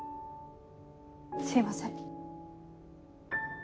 すいません。